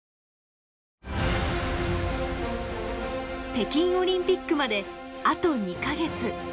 北京オリンピックまであと２か月。